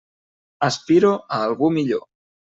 Aspiro a algú millor.